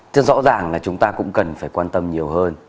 thế rõ ràng là chúng ta cũng cần phải quan tâm nhiều hơn